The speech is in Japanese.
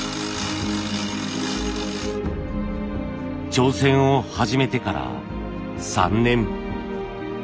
挑戦を始めてから３年。